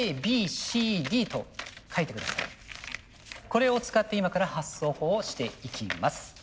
これを使って今から発想法をしていきます。